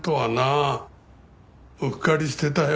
うっかりしてたよ。